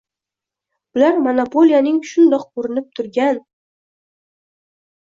bular monopoliyaning shundoq ko‘rinib turgan